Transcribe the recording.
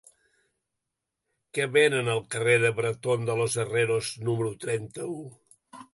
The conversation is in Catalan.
Què venen al carrer de Bretón de los Herreros número trenta-u?